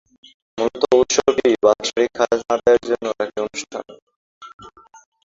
মূলত উৎসবটি বাৎসরিক খাজনা আদায়ের জন্য একটি অনুষ্ঠান।